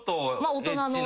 大人の。